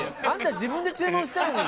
自分で注文したんだよ。